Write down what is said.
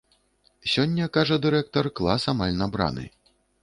Сёння, кажа дырэктар, клас амаль набраны.